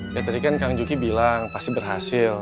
ya tadi kan kang juki bilang pasti berhasil